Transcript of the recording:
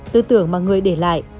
tư tưởng mà người để lại